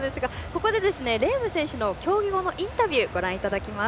ここで、レーム選手の競技後のインタビューをご覧いただきます。